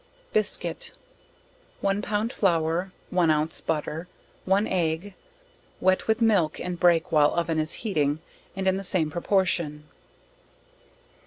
Biscuit. One pound flour, one ounce butter, one egg, wet with milk and break while oven is heating, and in the same proportion.